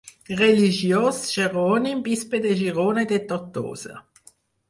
Religiós jerònim, Bisbe de Girona i de Tortosa.